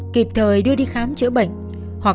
kịp thời đưa đi khám chữa bệnh